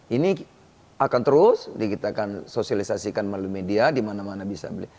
ini akan terus kita akan sosialisasikan melalui media dimana mana bisa